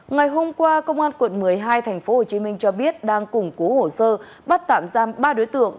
ngày hôm qua công an quận một mươi hai tp hcm cho biết đang củng cố hồ sơ bắt tạm giam ba đối tượng